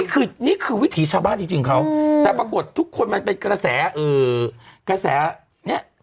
คือนี่คือวิถีชาวบ้านจริงเขาแต่ปรากฏทุกคนมันเป็นกระแสกระแสเนี่ย